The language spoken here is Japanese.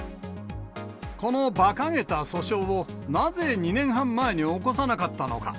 このばかげた訴訟をなぜ２年半前に起こさなかったのか。